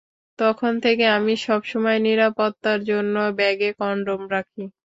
তখন থেকে আমি সবসময় নিরাপত্তার জন্য ব্যাগে কনডম রাখি।